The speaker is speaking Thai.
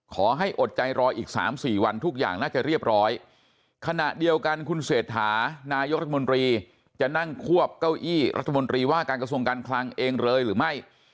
อดใจรออีก๓๔วันทุกอย่างน่าจะเรียบร้อยขณะเดียวกันคุณเศรษฐานายกรัฐมนตรีจะนั่งควบเก้าอี้รัฐมนตรีว่าการกระทรวงการคลังเองเลยหรือไม่